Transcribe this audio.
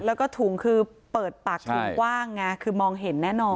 แล้วก็ถุงคือเปิดปากถุงกว้างไงคือมองเห็นแน่นอน